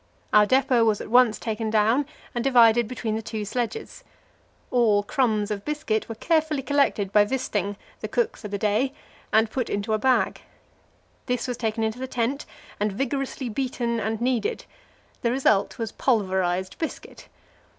Our depot was at once taken down and divided between the two sledges. All crumbs of biscuit were carefully collected by Wisting, the cook for the day, and put into a bag. This was taken into the tent and vigorously beaten and kneaded; the result was pulverized biscuit.